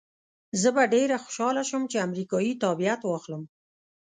زه به ډېره خوشحاله شم که امریکایي تابعیت واخلم.